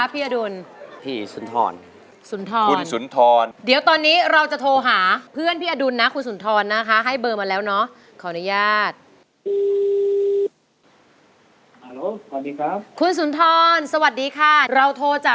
เปรียบประหนึ่งว่า